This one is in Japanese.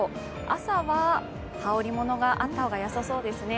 朝は羽織ものがあった方がよさそうですね。